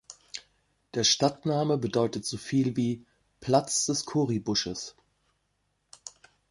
Der Stadtname bedeutet so viel wie „Platz des Khori-Busches“.